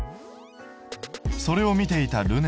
それを見ていたるね